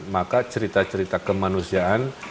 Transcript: maka cerita cerita kemanusiaan